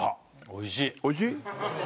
おいしい？